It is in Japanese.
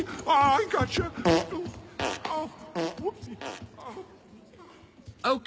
ああ。